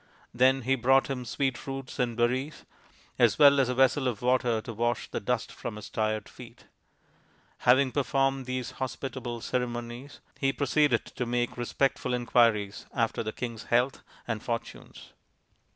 Then he brought him sweet roots and berries, as well as a vessel of water to wash the dust from his tired SABALA, THE SACRED COW 203 feet. Having performed these hospitable ceremonies he proceeded to make respectful inquiries after the king's health and fortunes.